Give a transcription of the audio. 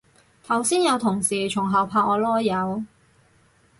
頭先有同事從後拍我籮柚